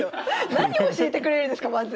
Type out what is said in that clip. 何を教えてくれるんですかまず。